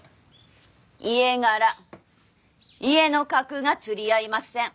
家柄家の格が釣り合いません。